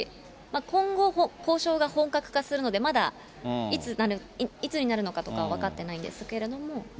今後、交渉が本格化するので、まだ、いつになるのかとか分かってないんですけれども。